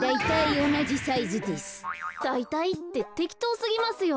だいたいっててきとうすぎますよ。